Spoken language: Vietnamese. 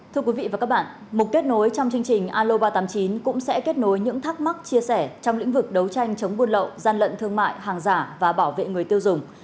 thưa quý vị và các bạn mục kết nối trong chương trình alo ba trăm tám mươi chín cũng sẽ kết nối những thắc mắc chia sẻ trong lĩnh vực đấu tranh chống buôn lậu gian lận thương mại hàng giả và bảo vệ người tiêu dùng